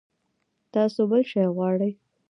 تاسو بل شی غواړئ؟